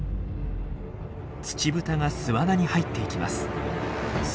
ツチブタが巣穴に入っていきます。